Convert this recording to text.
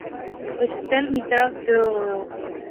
Hospital Militar Dr.